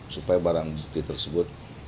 supaya barang bukti tersebut